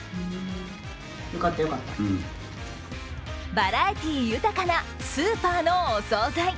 バラエティー豊かなスーパーのお惣菜。